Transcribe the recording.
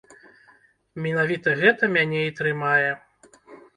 Менавіта гэта мяне і трымае.